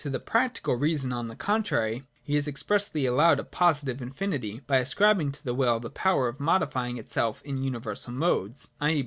To the practical reason, on the contrary, he has expressly allowed a positive infinity, by ascribing to the will the power of modifying itself in universal modes, i.